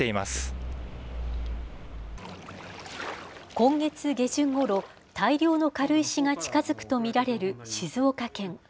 今月下旬ごろ、大量の軽石が近づくと見られる静岡県。